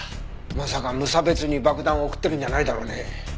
まさか無差別に爆弾を送ってるんじゃないだろうね？